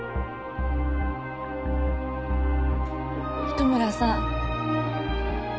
糸村さん。